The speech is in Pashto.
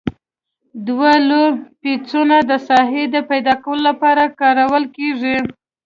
دوه لوی پیچونه د ساحې د پیداکولو لپاره کارول کیږي.